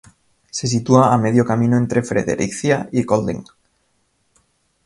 Se sitúa a medio camino entre Fredericia y Kolding.